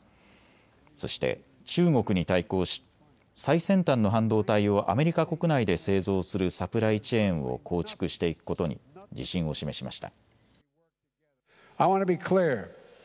そして中国に対抗し最先端の半導体をアメリカ国内で製造するサプライチェーンを構築していくことに自信を示しました。